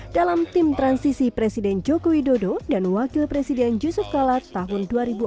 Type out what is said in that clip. dalam tim transisi presiden joko widodo dan wakil presiden yusuf kalat tahun dua ribu empat belas